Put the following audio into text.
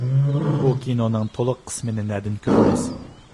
بۇ كىنونىڭ تولۇق قىسمىنى نەدىن كۆرىمىز؟